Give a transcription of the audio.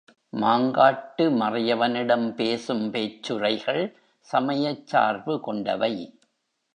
மாங்காட்டு மறையவனிடம் பேசும் பேச்சுரைகள் சமயச் சார்பு கொண்டவை.